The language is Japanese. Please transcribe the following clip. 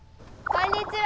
こんにちは。